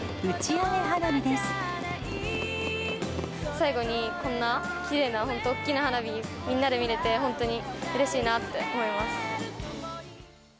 最後に、こんなきれいな、本当に大きな花火、みんなで見れて、本当にうれしいなって思います。